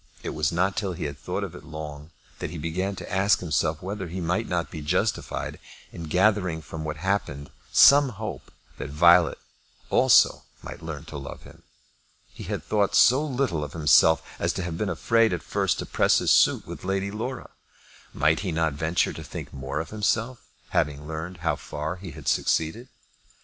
It was not till he had thought of it long that he began to ask himself whether he might not be justified in gathering from what happened some hope that Violet also might learn to love him. He had thought so little of himself as to have been afraid at first to press his suit with Lady Laura. Might he not venture to think more of himself, having learned how far he had succeeded?